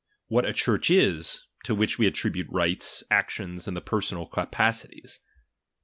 What a Church is, to which we attribute rights, actions, and the like personal capacities.